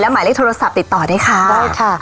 หมายเลขโทรศัพท์ติดต่อด้วยค่ะได้ค่ะ